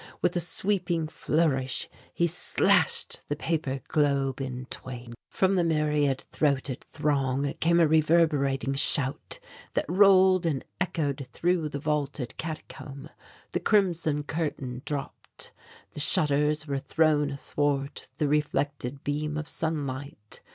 With a sweeping flourish he slashed the paper globe in twain. From the myriad throated throng came a reverberating shout that rolled and echoed through the vaulted catacomb. The crimson curtain dropped. The shutters were thrown athwart the reflected beam of sunlight.